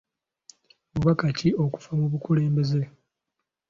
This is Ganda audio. Bubaka ki obuva mu bakulembeze?